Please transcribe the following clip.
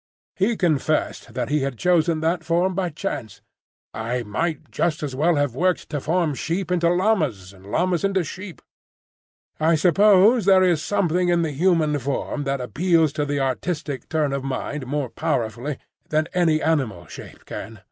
He confessed that he had chosen that form by chance. "I might just as well have worked to form sheep into llamas and llamas into sheep. I suppose there is something in the human form that appeals to the artistic turn of mind more powerfully than any animal shape can.